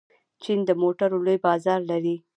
چین د موټرو لوی بازار لري.